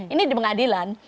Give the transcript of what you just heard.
ini di pengadilan